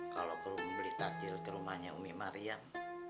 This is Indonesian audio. kalau ke rumah beli tajil ke rumahnya umi maryam